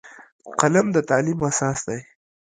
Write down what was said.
قلم د تعلیم اساس دی